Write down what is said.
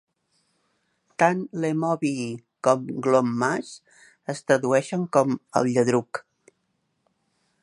Tant "Lemovii" com "Glommas" es tradueixen com "el lladruc".